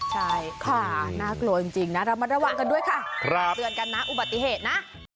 ใช่ค่ะน่ากลัวจริงนะระมัดระวังกันด้วยค่ะเตือนกันนะอุบัติเหตุนะ